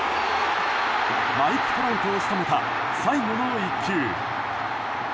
マイク・トラウトを仕留めた最後の１球。